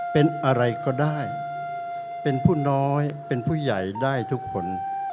เป็นอะไรก็ได้เป็นผู้น้อยเป็นผู้ใหญ่ได้ทุกคน